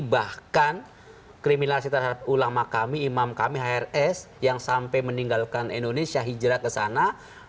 bahkan kriminalisasi terhadap ulama kami imam kami hrs yang sampai meninggalkan indonesia hijrah ke sana